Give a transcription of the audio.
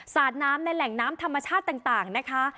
สาดน้ำในแหล่งน้ำธรรมชาติต่างนะคะ